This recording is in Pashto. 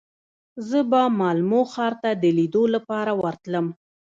زه به مالمو ښار ته د لیدو لپاره ورتلم.